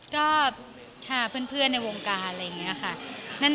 ก็พาเพื่อนในวงการอะไรอย่างนี้ค่ะ